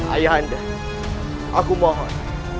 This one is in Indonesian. ayah anda aku mohon